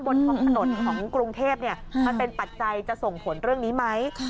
บนท้องถนนของกรุงเทพมันเป็นปัจจัยจะส่งผลเรื่องนี้ไหม